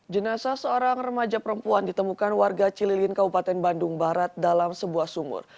jenasa seorang remaja perempuan ditemukan warga cililin kabupaten bandung barat dalam sebuah sumur